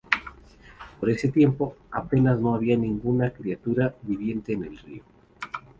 Por ese tiempo, apenas no había ninguna criatura viviente en el río.